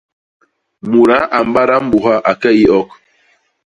Mudaa a mbada mbuha a ke i ok.